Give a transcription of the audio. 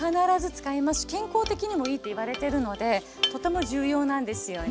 健康的にもいいっていわれてるのでとても重要なんですよね。